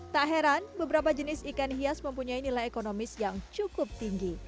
tak heran beberapa jenis ikan hias mempunyai nilai ekonomis yang cukup tinggi